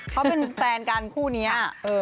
เขาเป็นแฟนกันคู่นี้